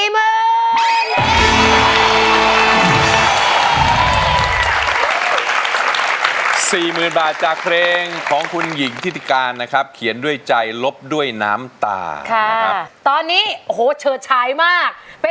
หมื่นบาทจากเพลงของคุณหญิงทิติการนะครับเขียนด้วยใจลบด้วยน้ำตานะครับตอนนี้โอ้โหเฉิดฉายมาก